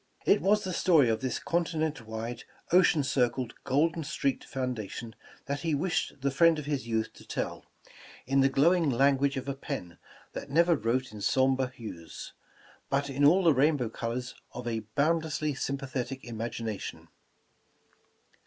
It was the story of this continent wide, ocean circled, golden streaked foundation that he wished the friend of 283 The Original John Jacob Astor his youth to tell, in the glowing language of a pen that never wrote in somber hues, but in all the rainbow col ors of a boundlessly sympathetic imagination.